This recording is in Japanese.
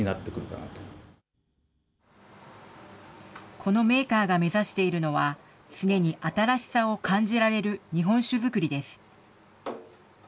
このメーカーが目指しているのは、常に新しさを感じられる日本酒造りです。